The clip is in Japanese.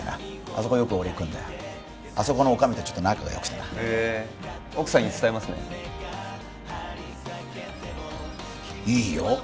そこよく俺行くんだよ女将と仲がよくてなへえ奥さんに伝えますねいいよ